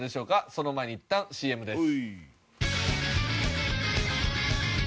その前にいったんＣＭです。